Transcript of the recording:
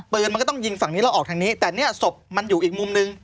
ปืนมันก็ต้องยิงฝั่งนี้แล้วออกทางนี้แต่เนี่ยศพมันอยู่อีกมุมนึง